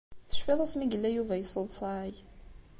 Tecfiḍ asmi i yella Yuba yesseḍsay?